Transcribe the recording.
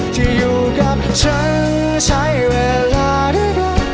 ที่อยู่กับฉันใช้เวลาด้วยกัน